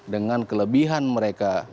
dengan kelebihan mereka